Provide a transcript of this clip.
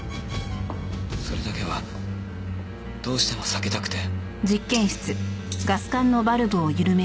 それだけはどうしても避けたくて。